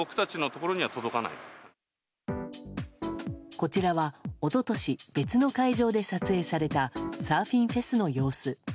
こちらは、一昨年別の会場で撮影されたサーフィンフェスの様子。